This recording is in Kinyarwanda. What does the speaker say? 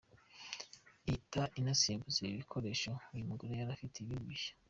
ihita inasimbuza ibi bikoresho uyu mugore yari afite ibindi bishya.